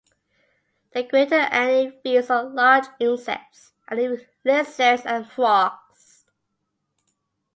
The greater ani feeds on large insects and even lizards and frogs.